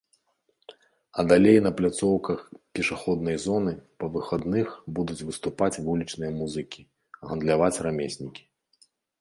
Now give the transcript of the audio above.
А далей на пляцоўках пешаходнай зоны па выхадных будуць выступаць вулічныя музыкі, гандляваць рамеснікі.